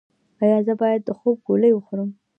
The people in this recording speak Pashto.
ایا زه باید د خوب ګولۍ وخورم؟